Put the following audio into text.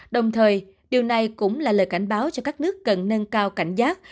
đồng thời điều này cũng là lời cảnh báo cho các nước cần nâng cao cảnh giác